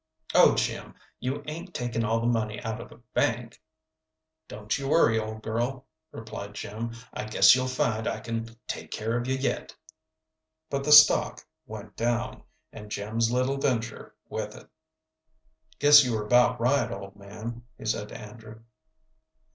"Oh, Jim, you 'ain't taken all the money out of the bank?" "Don't you worry, old girl," replied Jim. "I guess you'll find I can take care of you yet." But the stock went down, and Jim's little venture with it. "Guess you were about right, old man," he said to Andrew.